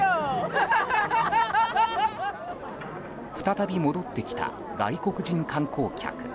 再び戻ってきた外国人観光客。